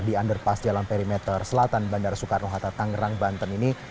di underpass jalan perimeter selatan bandara soekarno hatta tangerang banten ini